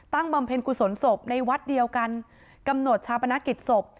บำเพ็ญกุศลศพในวัดเดียวกันกำหนดชาปนกิจศพ